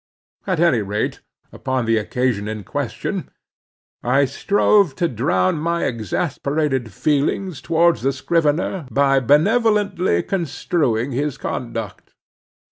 At any rate, upon the occasion in question, I strove to drown my exasperated feelings towards the scrivener by benevolently construing his conduct.